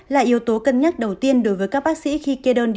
là yếu tố cân nhắc đầu tiên đối với các bác sĩ